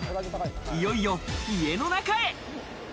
いよいよ家の中へ。